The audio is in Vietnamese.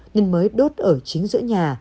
nên mới đốt ở chính giữa nhà